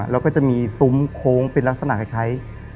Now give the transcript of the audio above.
แล้วก็จะมีซุ้มโค้งเป็นลักษณะคล้าย